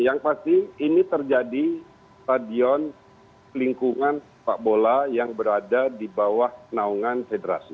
yang pasti ini terjadi stadion lingkungan sepak bola yang berada di bawah naungan federasi